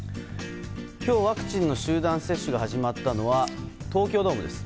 今日ワクチンの集団接種が始まったのは東京ドームです。